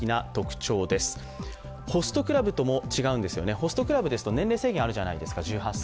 ホストクラブだと年齢制限があるじゃないですか、１８歳。